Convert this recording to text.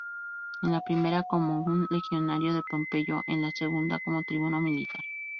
En la primera como un legionario de Pompeyo, en la segunda como tribuno militar.